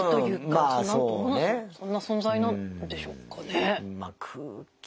そんな存在なんでしょうかね。